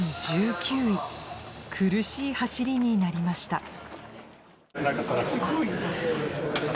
苦しい走りになりました